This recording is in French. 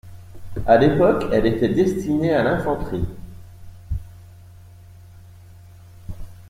À l’époque, elle est destinée à l'infanterie.